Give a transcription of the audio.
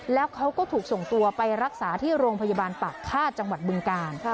แล้วเขาก็ถูกส่งตัวไปรักษาที่โรงพยาบาลปากฆาตจังหวัดบึงกาล